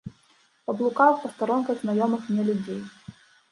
Паблукаў па старонках знаёмых мне людзей.